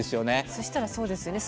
そしたらそうですよね。